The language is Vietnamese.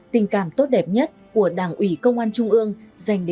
tình cảm tốt đẹp nhất của đảng ủy công an trung ương dành